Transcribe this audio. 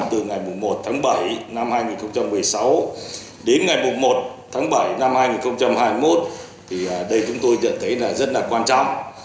từ ngày một tháng bảy năm hai nghìn một mươi sáu đến ngày một tháng bảy năm hai nghìn hai mươi một thì ở đây chúng tôi nhận thấy là rất là quan trọng